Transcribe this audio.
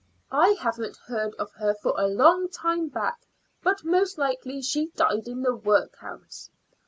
I haven't heard of her for a long time back, but most likely she died in the work house.